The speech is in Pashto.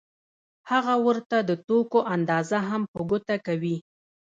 هغه ورته د توکو اندازه هم په ګوته کوي